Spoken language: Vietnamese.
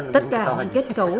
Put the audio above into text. tất cả những kết cấu